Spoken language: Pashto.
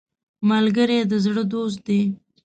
ملګری د زړه دوست دی